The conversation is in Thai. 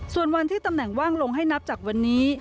ส่วนวันที่ตำแหน่งว่างลงให้นับจากวันนี้